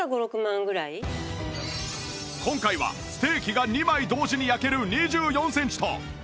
今回はステーキが２枚同時に焼ける２４センチと